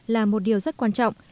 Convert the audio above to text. là một điều rất quan trọng